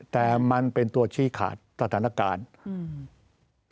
แต่มันเป็นตัวชี้ขาดสถานการณ์อืม